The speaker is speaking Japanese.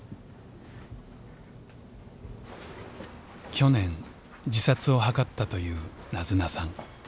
去年自殺を図ったというなずなさん。